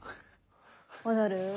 戻る。